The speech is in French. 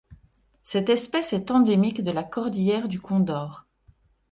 Cette espèce est endémique de la cordillère du Condor.